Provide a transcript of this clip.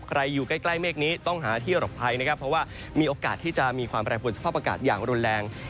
อยู่ใกล้เมฆนี้ต้องหาที่หลบภัยนะครับเพราะว่ามีโอกาสที่จะมีความแปรผลสภาพอากาศอย่างรุนแรง